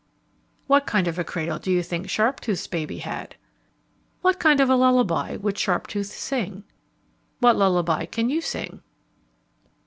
What kind of a cradle do you think Sharptooth's baby had? What kind of a lullaby would Sharptooth sing? What lullaby can you sing?